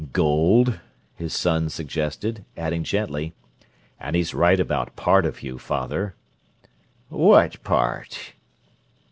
"Gold," his son suggested, adding gently, "And he's right about part of you, father." "What part?"